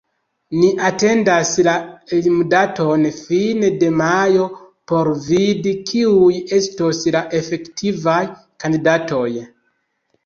Ni atendas la limdaton fine de majo por vidi, kiuj estos la efektivaj kandidatoj.